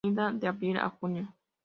Anida de abril a junio.